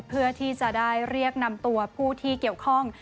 เพื่อที่จะได้เรียกนำตัวผู้ที่เกี่ยวข้อง